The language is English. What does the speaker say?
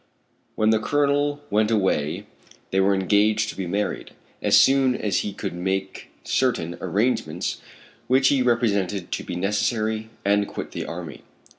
When the Colonel went away they were engaged to be married, as soon as he could make certain arrangements which he represented to be necessary, and quit the army.